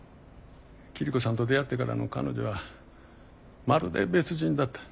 桐子さんと出会ってからの彼女はまるで別人だった。